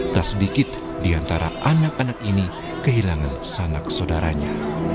tak sedikit di antara anak anak ini kehilangan sanak saudaranya